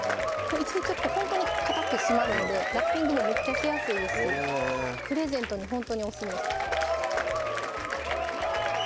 １日置くとほんとにかたく締まるんでラッピングもめっちゃしやすいですしプレゼントにほんとにオススメです